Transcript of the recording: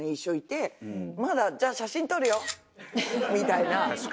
まだ「写真撮るよ」みたいな。